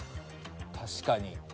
確かに。